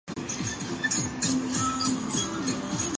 领有今希腊优卑亚岛。